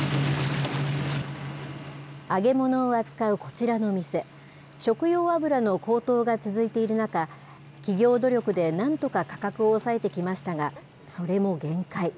揚げ物を扱うこちらの店、食用油の高騰が続いている中、企業努力でなんとか価格を抑えてきましたが、それも限界。